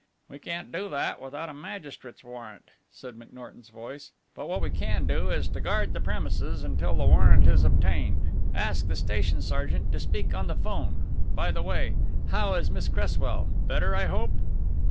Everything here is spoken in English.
"We can't do that without a magistrate's warrant," said McNorton's voice, "but what we can do is to guard the premises until the warrant is obtained. Ask the station sergeant to speak on the 'phone by the way, how is Miss Cresswell, better, I hope?"